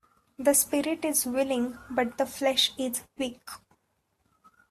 The spirit is willing but the flesh is weak.